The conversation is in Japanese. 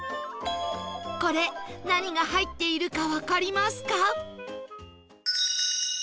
これ何が入っているかわかりますか？